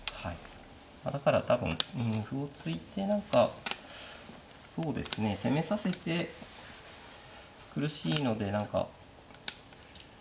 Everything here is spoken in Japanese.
だから多分歩を突いて何かそうですね攻めさせて苦しいので何かうん